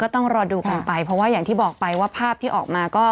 ต้องรอดูกันไปเพราะว่าอย่างที่บอกไปว่าภาพที่ออกมาก็